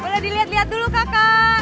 boleh dilihat lihat dulu kakak